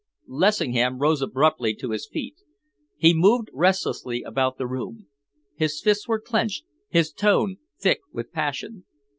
Lessingham rose abruptly to his feet. He moved restlessly about the room. His fists were clenched, his tone thick with passion.